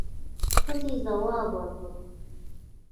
ښځې ځواب ورکړ.